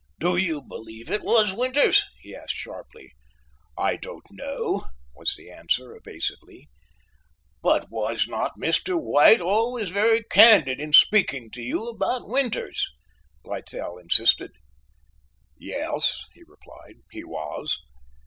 "Do you believe it was Winters?" he asked sharply. "I don't know," he was answered evasively. "But was not Mr. White always very candid in speaking to you about Winters?" Littell insisted. "Yes," he replied; "he was."